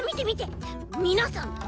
「みなさん